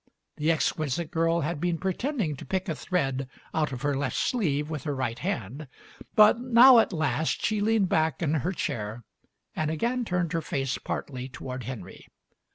The exquisite girl had been pretending to pick a thread out of her left sleeve with her right Digitized by Google 154 MARY SMITH hand — but now at last she leaned back in her chair and again turned her face partly toward Henry.